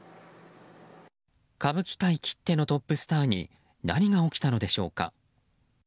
歌舞伎界きってのトップスターに何が起きたのでしょうか。